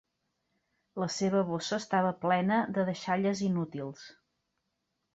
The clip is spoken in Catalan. La seva bossa estava plena de deixalles inútils.